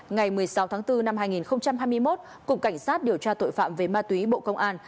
ngày một mươi sáu tháng bốn năm hai nghìn hai mươi một cục cảnh sát điều tra tội phạm về ma túy bộ công an